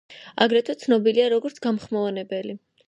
აგრეთვე ცნობილია, როგორც გამხმოვანებელი.